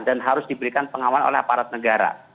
dan harus diberikan pengawal oleh aparat negara